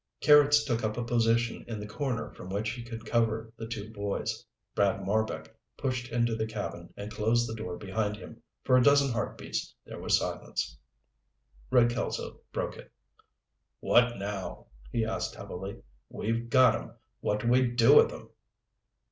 Carrots took up a position in the corner from which he could cover the two boys. Brad Marbek pushed into the cabin and closed the door behind him. For a dozen heartbeats there was silence. Red Kelso broke it. "What now?" he asked heavily. "We've got 'em. What do we do with 'em?"